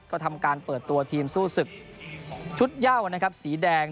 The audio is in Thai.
ก็ทำการเปิดตัวทีมสู้ศึกชุดเย่านะครับสีแดง